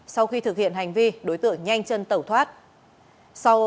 sau khi thực hiện hành vi đối tượng nhận được tài sản